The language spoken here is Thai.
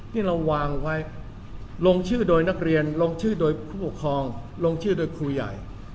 นี่เราวางไว้ลงชื่อโดยนักเรียนลงชื่อโดยผู้ปกครองลงชื่อโดยครูใหญ่